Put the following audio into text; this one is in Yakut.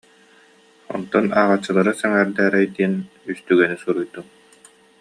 Онтон ааҕааччылары сэҥээр- дээрэй диэн үс түгэни суруйдум